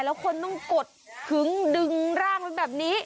แล้วคนต้องกดขึ้งดึงร่างไว้แบบนี้